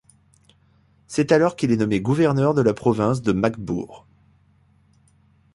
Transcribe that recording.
C'est alors qu'il est nommé gouverneur de la province de Magdebourg.